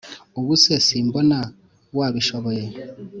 ubu se simbona wabishoboye